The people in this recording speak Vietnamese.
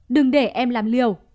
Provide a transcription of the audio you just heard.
đừng để em làm liều